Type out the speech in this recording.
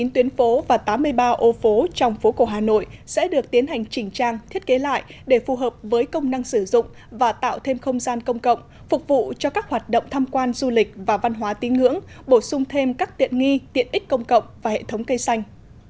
chín tuyến phố và tám mươi ba ô phố trong phố cổ hà nội sẽ được tiến hành chỉnh trang thiết kế lại để phù hợp với công năng sử dụng và tạo thêm không gian công cộng phục vụ cho các hoạt động tham quan du lịch và văn hóa tín ngưỡng bổ sung thêm các tiện nghi tiện ích công cộng và hệ thống cây xanh